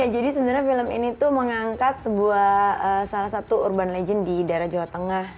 ya jadi sebenarnya film ini tuh mengangkat sebuah salah satu urban legend di daerah jawa tengah